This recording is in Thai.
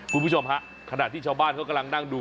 คุณผู้ชมฮะขณะที่ชาวบ้านเขากำลังนั่งดู